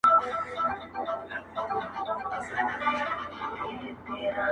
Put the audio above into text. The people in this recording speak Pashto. نور خو له دې ناځوان استاده سره شپې نه كوم.